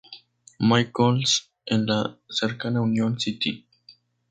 Michael's" en la cercana Union City.